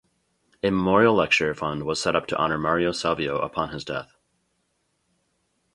A Memorial Lecture Fund was set up to honor Mario Savio upon his death.